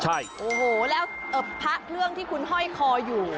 ใช่โอ้โหแล้วพระเครื่องที่คุณห้อยคออยู่